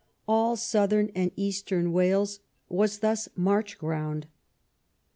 All southern and eastern AVales was thus March ground.